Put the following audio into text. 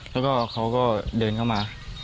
แล้วก็เขาก็เดินเข้ามา